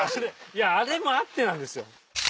いやあれもあってなんですよ。